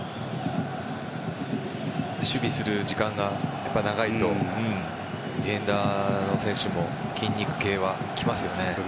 守備する時間が長いとディフェンダーの選手も筋肉系はきますよね。